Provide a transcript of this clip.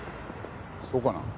そうかな？